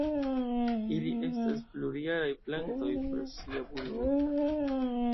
Ili estas plurjaraj plantoj pro sia bulbo.